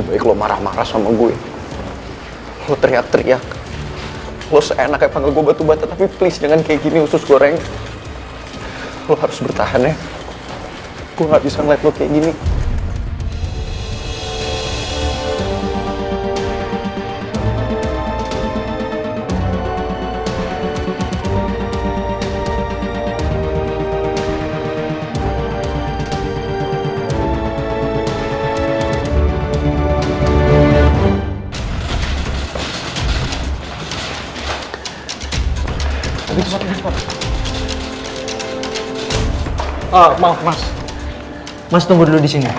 biar dokter bunu nungguinnya